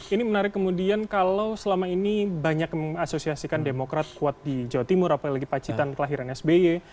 ini menarik kemudian kalau selama ini banyak yang mengasosiasikan demokrat kuat di jawa timur apalagi pacitan kelahiran sby